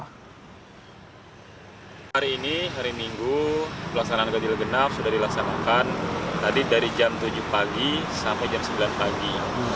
hari ini hari minggu pelaksanaan ganjil genap sudah dilaksanakan tadi dari jam tujuh pagi sampai jam sembilan pagi